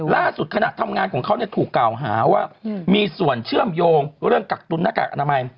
ขณะทำงานของเขาถูกกล่าวหาว่ามีส่วนเชื่อมโยงเรื่องกักตุนหน้ากากอนามัย